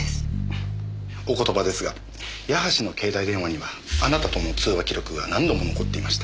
お言葉ですが矢橋の携帯電話にはあなたとの通話記録が何度も残っていました。